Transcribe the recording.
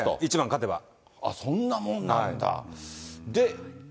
そんなもんなんだ。